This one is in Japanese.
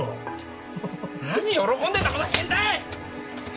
何喜んでんだこの変態！